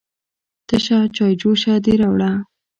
_تشه چايجوشه دې راوړه؟